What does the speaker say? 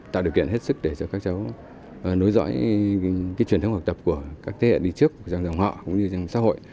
tạo điều kiện hết sức để cho các cháu nối dõi truyền thông học tập của các thế hệ đi trước trong dòng họ cũng như trong xã hội